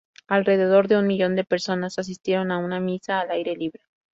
Alrededor de un millón de personas asistieron a una misa al aire libre.